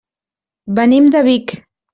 Venim de Vic.